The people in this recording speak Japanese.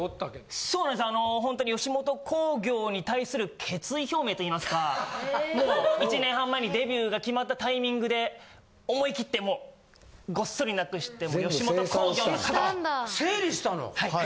そうなんですよ、本当に吉本興業に対する決意表明といいますか、もう、１年半前にデビューが決まったタイミングで、思い切ってもう、ごっそりなくして、整理したの？